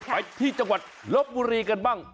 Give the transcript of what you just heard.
ไปที่จังหวัดลบบุรีกันบ้าง